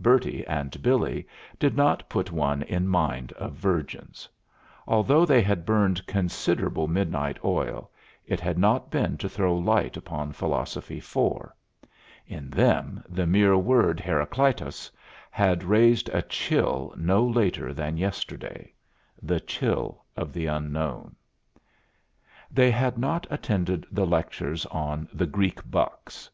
Bertie and Billy did not put one in mind of virgins: although they had burned considerable midnight oil, it had not been to throw light upon Philosophy 4. In them the mere word Heracleitos had raised a chill no later than yesterday, the chill of the unknown. They had not attended the lectures on the "Greek bucks."